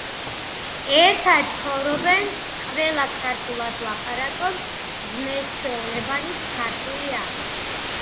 ერთად ცხოვრობენ, ყველა ქართულად ლაპარაკობს, ზნე–ჩვეულებანიც ქართული აქვთ.